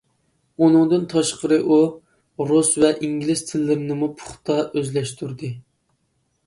ئۇنىڭدىن تاشقىرى ئۇ رۇس ۋە ئىنگلىز تىللىرىنىمۇ پۇختا ئۆزلەشتۈردى.